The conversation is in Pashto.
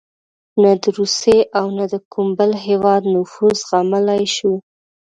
نه د روسیې او نه د کوم بل هېواد نفوذ زغملای شو.